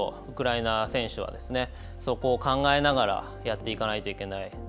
ウクライナ選手はそこを考えながらやっていかないといけない。